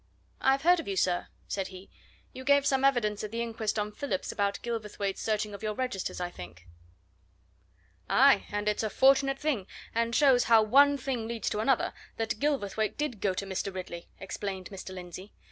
"I've heard of you, sir," said he. "You gave some evidence at the inquest on Phillips about Gilverthwaite's searching of your registers, I think?" "Aye; and it's a fortunate thing and shows how one thing leads to another that Gilverthwaite did go to Mr. Ridley!" explained Mr. Lindsey.